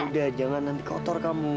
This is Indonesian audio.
udah jangan nanti kotor kamu